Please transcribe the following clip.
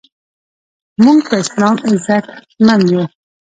مونږ په اسلام عزتمند یو